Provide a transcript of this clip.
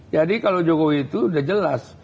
jadi kalau jokowi itu udah jelas